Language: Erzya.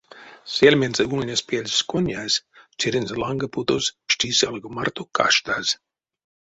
Сельмензэ ульнесть пельс конязь, черензэ ланга путозь пшти сялго марто каштаз.